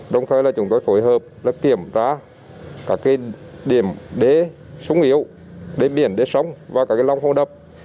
đồng thời chúng tôi phối hợp kiểm tra các điểm đế súng yếu đế biển đế sông và các lông hô đập